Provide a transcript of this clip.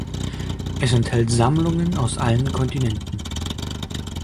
Es enthält Sammlungen aus allen Kontinenten.